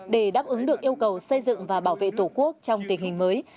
để đáp ứng được yêu cầu xây dựng và bảo vệ tổ quốc trong tình hình mới